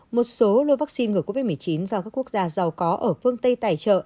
một số lô vaccine ngừa covid một mươi chín do các quốc gia giàu có ở phương tây tài trợ